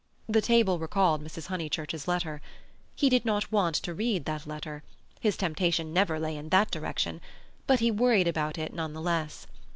The table recalled Mrs. Honeychurch's letter. He did not want to read that letter—his temptations never lay in that direction; but he worried about it none the less.